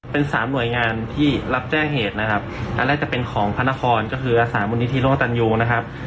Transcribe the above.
เป็นสามหน่วยงานที่รับแจ้งเหตุนะครับอันแรกจะเป็นของพระนครก็คืออาสามูลนิธิร่วมกับตันยูนะครับ